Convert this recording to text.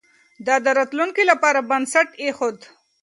ده د راتلونکي لپاره بنسټ ايښود.